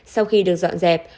sau khi được dọn dẹp